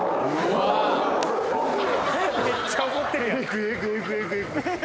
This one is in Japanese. めっちゃ怒ってるやんははは